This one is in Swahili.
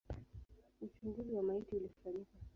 Uchunguzi wa maiti ulifanyika.